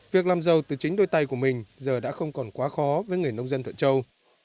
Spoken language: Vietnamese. việc làm giàu từ chính đôi tay của mình giờ đã không còn quá khó với người nông dân thuận châu